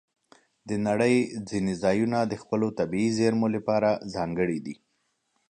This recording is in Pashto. د نړۍ ځینې ځایونه د خپلو طبیعي زیرمو لپاره ځانګړي دي.